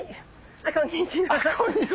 あこんにちは。